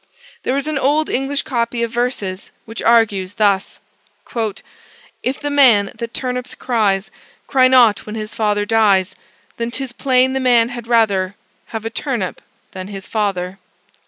There is an old English copy of verses which argues thus: "If the man, that turnips cries, Cry not when his father dies Then 'tis plain the man had rather Have a turnip than his father."